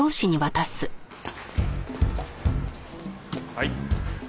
はい。